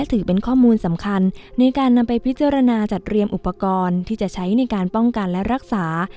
อุปกรณ์ที่จะใช้ในการป้องกันและรักษา